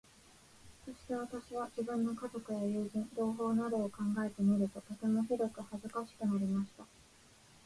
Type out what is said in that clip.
そして私は、自分の家族や友人、同胞などを考えてみると、とてもひどく恥かしくなりました。